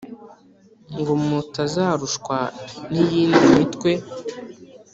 ngo mutazarushwa n'iyindi mitwe